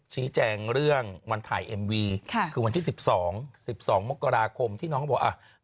ชี้แจงเรื่องวันถ่ายเอ็มวีค่ะคือวันที่สิบสองสิบสองมกราคมที่น้องเขาบอกอ่ะ